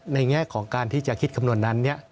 ในแง่ของการที่จะคิดคำนวณนั้นเนี่ย